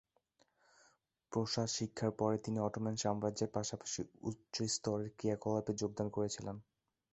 প্রাসাদ শিক্ষার পরে তিনি অটোমান সাম্রাজ্যের পাশাপাশি উচ্চ-স্তরের ক্রিয়াকলাপে যোগদান করেছিলেন।